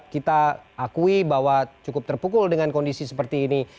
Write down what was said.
kita akui bahwa cukup terpukul dengan kondisi seperti ini